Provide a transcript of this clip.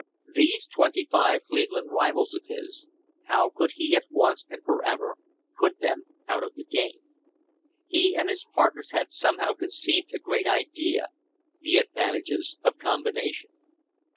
These twenty five Cleve land rivals of his — how could he at once and forever put them out of the game? He and his partners had somehow conceived a great idea — the advantages of combination.